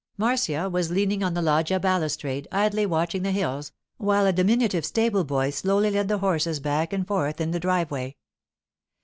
Marcia was leaning on the loggia balustrade, idly watching the hills, while a diminutive stable boy slowly led the horses back and forth in the driveway.